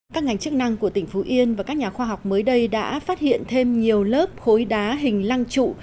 các ngành chức năng của tỉnh phú yên và các nhà khoa học mới đây đã phát hiện thêm nhiều lớp khối đá hình lăng trụ